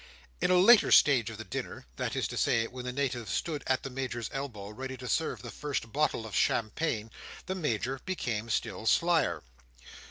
In a later stage of the dinner: that is to say, when the Native stood at the Major's elbow ready to serve the first bottle of champagne: the Major became still slyer.